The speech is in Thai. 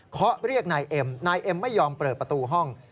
เขาเรียกนายเอ็มนายเอ็มไม่ยอมเปิดประตูห้อง